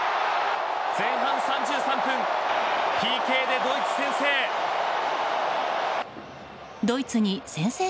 前半３３分、ＰＫでドイツ先制。